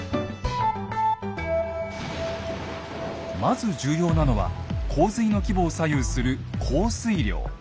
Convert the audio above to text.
まず重要なのは洪水の規模を左右する降水量。